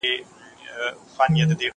ته ولي ليکنه کوې.